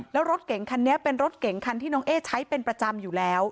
แล้วรถเก่งคันนี้เป็นรถเก่งคันที่น้องเอ๊ใช้เป็นประจำอยู่แล้ว